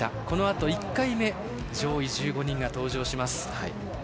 このあと１回目上位１５人が登場します。